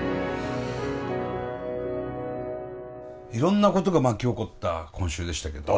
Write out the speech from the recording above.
いろんなことが巻き起こった今週でしたけども。